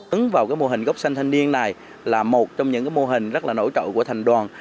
ứng vào mô hình gốc xanh thanh niên này là một trong những mô hình rất là nổi trội của thành đoàn